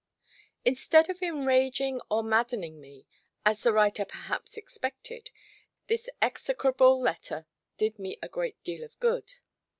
Instead of enraging or maddening me, as the writer perhaps expected, this execrable letter did me a great deal of good.